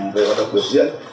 về hoạt động biểu diễn